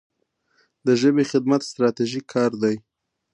د ژبې خدمت ستراتیژیک کار دی.